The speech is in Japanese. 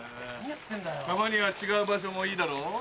たまには違う場所もいいだろう？